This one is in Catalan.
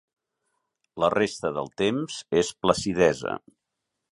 La resta del temps és placidesa.